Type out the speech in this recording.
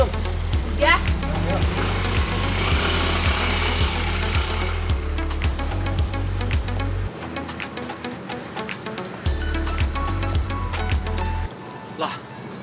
udah udah udah